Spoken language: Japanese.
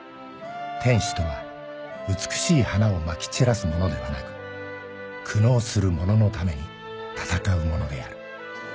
「天使とは美しい花を撒き散らす者ではなく苦悩する者のために戦う者である」